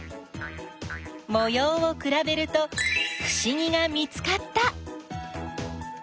もようをくらべるとふしぎが見つかった！